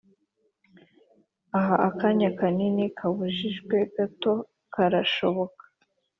ah akanya kanini kabujijwe, gato karashoboka